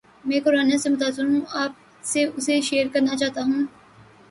میں کورونا سے متاثر ہوں اپ سے اسے شیئر کرنا چاہتا ہوں